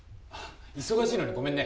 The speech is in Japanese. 忙しいのにごめんね。